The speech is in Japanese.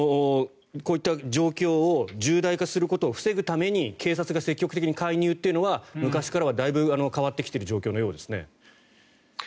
こういった状況を重大化することを防ぐために警察が積極的に介入というのは昔からはだいぶ変わってきている状況のようですね。